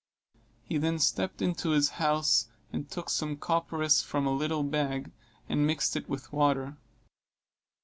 He then stepped into his house and took some copperas from a little bag, and mixed it with water.